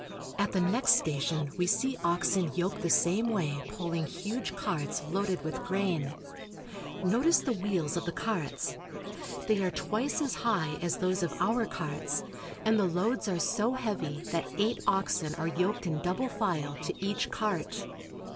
At the next station we see oxen yoked the same way pulling huge carts loaded with grain. Notice the wheels ACROSS SOUTH AMERICA. 117 of the carts. They are twice as high as those of our carts, and the loads are so heavy that eight oxen are yoked in double file to each cart.